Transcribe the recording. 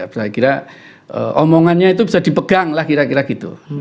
saya kira omongannya itu bisa dipegang lah kira kira gitu